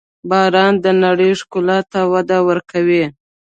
• باران د نړۍ ښکلا ته وده ورکوي.